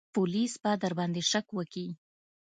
پوليس به درباندې شک وکي.